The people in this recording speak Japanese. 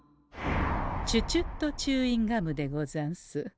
チュチュットチューインガムでござんす。